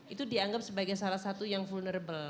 itu dianggap sebagai salah satu yang vulnerable